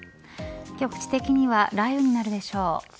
局地的には雷雨になるでしょう。